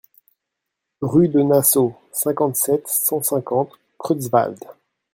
Rue de Nassau, cinquante-sept, cent cinquante Creutzwald